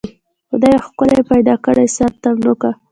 خدای وو ښکلی پیدا کړی سر تر نوکه